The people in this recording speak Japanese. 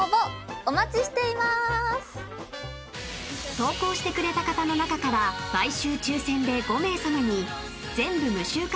［投稿してくれた方の中から毎週抽選で５名さまに全部無臭化